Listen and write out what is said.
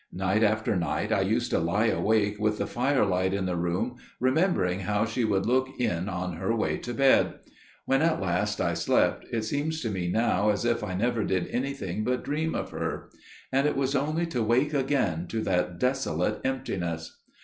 Night after night I used to lie awake, with the firelight in the room, remembering how she would look in on her way to bed; when at last I slept it seems to me now as if I never did anything but dream of her; and it was only to wake again to that desolate emptiness.